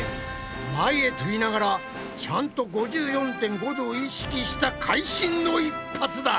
前へとびながらちゃんと５４．５度を意識した会心の一発だ！